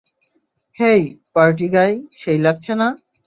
হেই, party guy, সেই লাগছে না?